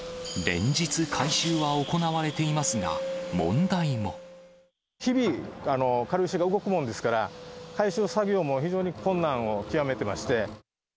連日回収は行われていますが、日々、軽石が動くもんですから、回収作業も非常に困難を極めてまして。